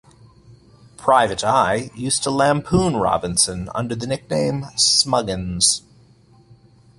"Private Eye" used to lampoon Robinson under the nickname 'Smuggins'.